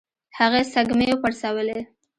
هغې سږمې وپړسولې.